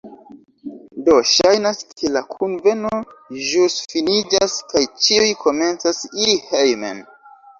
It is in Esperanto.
Do, ŝajnas, ke la kunveno ĵus finiĝas kaj ĉiuj komencas iri hejmen